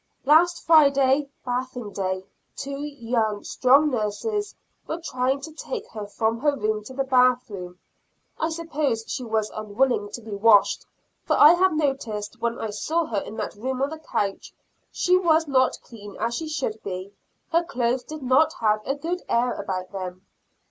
Last Friday bathing day two young, strong nurses were trying to take her from her room to the bath room (I suppose she was unwilling to be washed, for I have noticed when I saw her in that room on the couch, she was not clean as she should be her clothes did not have a good air about them).